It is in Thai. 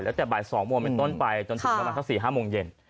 ลดแต่บ่ายสองโมงเปันต้นไปจนถึงกำลังสักสี่ห้ามองเย็น